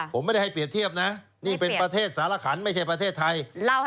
ผมไม่ได้ให้เปรียบเทียบนะนี่เป็นประเทศสารขันไม่ใช่ประเทศไทย